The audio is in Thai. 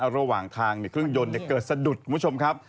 ระหว่างทางเครื่องยนต์เกิดสะดุดคุณผู้ชมครับ